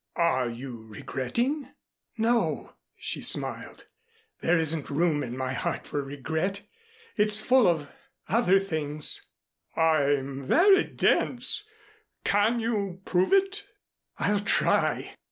"Are you regretting ?" "No," she smiled. "There isn't room in my heart for regret. It's full of other things." "I'm very dense. Can you prove it?" "I'll try."